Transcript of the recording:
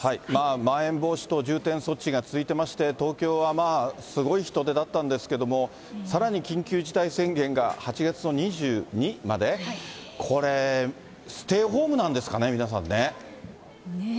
まん延防止等重点措置が続いてまして、東京はすごい人出だったんですけれども、さらに緊急事態宣言が８月の２２まで、これ、ステイホームなんですかね、ねぇ。